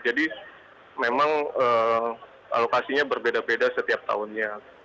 memang alokasinya berbeda beda setiap tahunnya